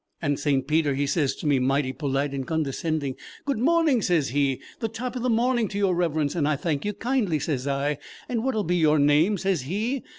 And St. Peter he sez to me, mighty polite and condescending: 'Good morning,' sez he. 'The top of the morning to your Reverence, and thank ye kindly,' sez I. 'And what'll be your name?' sez he.